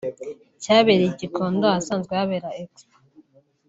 cyabereye i Gikondo ahasanzwe habera Expo